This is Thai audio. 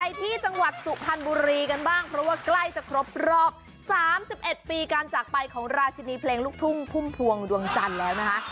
ที่จังหวัดสุพรรณบุรีกันบ้างเพราะว่าใกล้จะครบรอบ๓๑ปีการจากไปของราชินีเพลงลูกทุ่งพุ่มพวงดวงจันทร์แล้วนะคะ